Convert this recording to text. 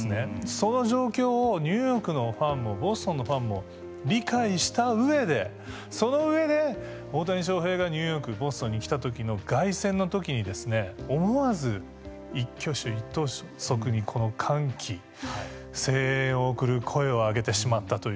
その状況をニューヨークのファンもボストンのファンも理解した上でその上で大谷翔平がニューヨークボストンに来たときの凱旋のときに思わず一挙手一投足に歓喜声援を送る声を上げてしまったという。